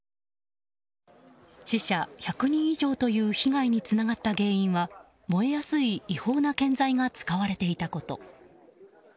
死者１００人以上という被害につながった原因は燃えやすい違法な建材が使われていたこと。